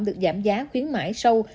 được giảm giá khuyến mại sâu